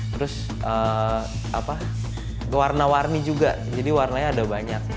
terus warna warni juga jadi warnanya ada banyak